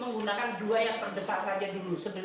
menggunakan dua yang terdesak saja dulu